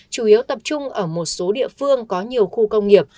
chủ yếu tập trung ở một số địa phương có nhiều khu công nghiệp